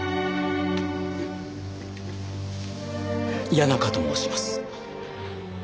谷中と申します。